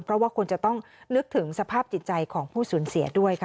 เพราะว่าควรจะต้องนึกถึงสภาพจิตใจของผู้สูญเสียด้วยค่ะ